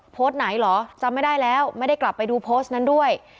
ไหนเหรอจำไม่ได้แล้วไม่ได้กลับไปดูโพสต์นั้นด้วย